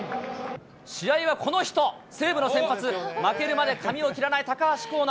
試合はこの人、西武の先発、負けるまで髪を切らない高橋光成。